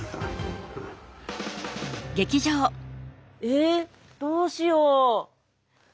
えどうしよう。